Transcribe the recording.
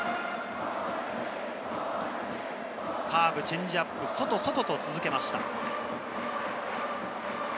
カーブ、チェンジアップ、外、外と続けました。